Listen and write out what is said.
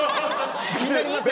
気になりません？